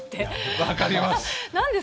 分かります。